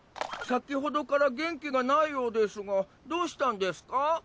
先ほどから元気がないようですがどうしたんですか？